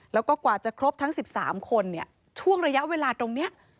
แล้วก็กว่าจะครบทั้ง๑๓คนช่วงระยะเวลาตรงนี้